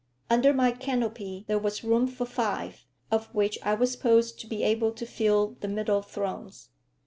Under my canopy there was room for five, of which I was supposed to be able to fill the middle thrones.